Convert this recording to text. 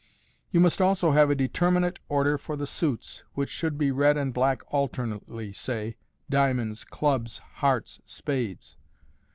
You must also have a determinate order for the suits, which should be red and black alternately, say, diamonds, clubs, hearts, spades.